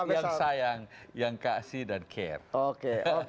yang sayang yang kasih dan care